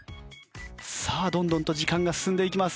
さあどんどんと時間が進んでいきます。